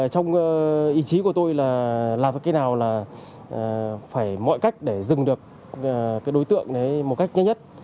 trong ý chí của tôi là làm cái nào là phải mọi cách để dừng được đối tượng một cách nhanh nhất